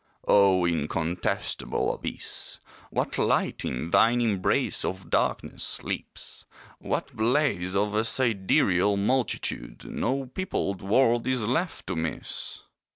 O incontestable Abyss, What light in thine embrace of darkness sleeps What blaze of a sidereal multitude No peopled world is left to miss!